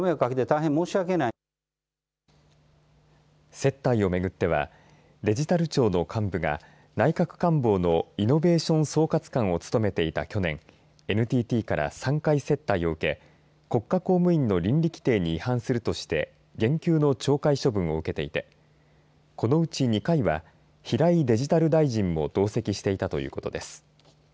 接待をめぐってはデジタル庁の幹部が内閣官房のイノベーション総括官を務めていた去年、ＮＴＴから３回接待を受け国家公務員の倫理規程に違反するとして減給の懲戒処分を受けていてこのうち２回は平井デジタル大臣も同席していたということです。